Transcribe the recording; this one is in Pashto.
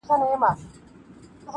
ستاسي ذات باندي جامې مو چي گنډلي-